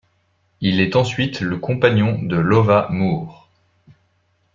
Il est ensuite le compagnon de Lova Moor.